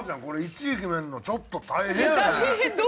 これ１位決めるのちょっと大変やね。